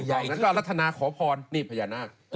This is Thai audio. อย่างนั้นก็อรัฐนาขอพรนี่พญานาค